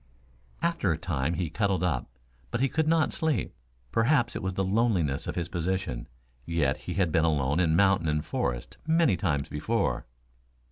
After a time he cuddled up, but could not sleep. Perhaps it was the loneliness of his position. Yet he had been alone in mountain and forest many times before.